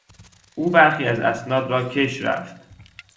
او برخی از اسناد را کش رفت.